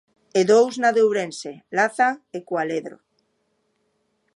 E dous na de Ourense: Laza e Cualedro.